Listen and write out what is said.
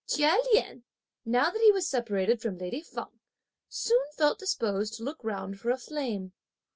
Chia Lien, now that he was separated from lady Feng, soon felt disposed to look round for a flame.